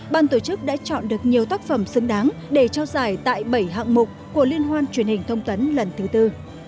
ban tổ chức đã chọn được nhiều tác phẩm xứng đáng để trao giải tại bảy hạng mục của liên hoan truyền hình thông tấn lần thứ tư